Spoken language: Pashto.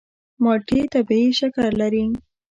مالټې طبیعي شکر لري.